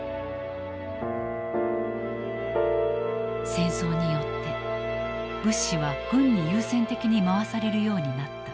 戦争によって物資は軍に優先的に回されるようになった。